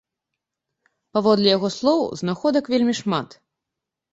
Паводле яго слоў, знаходак вельмі шмат.